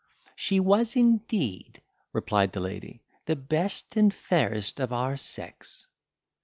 —"She was, indeed," replied the lady, "the best and fairest of our sex."